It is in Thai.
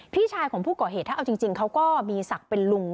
พี่ชายของผู้ก่อเหตุถ้าเอาจริงเขาก็มีศักดิ์เป็นลุง